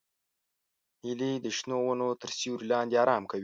هیلۍ د شنو ونو تر سیوري لاندې آرام کوي